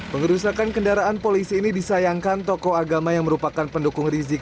pengerusakan kendaraan polisi ini disayangkan tokoh agama yang merupakan pendukung rizik